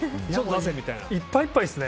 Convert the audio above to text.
いっぱいいっぱいですね。